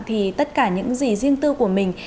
thì tất cả những gì riêng tư của mình